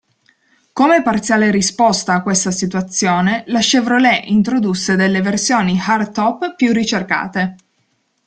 Come parziale risposta a questa situazione, la Chevrolet, introdusse delle versioni hardtop più ricercate.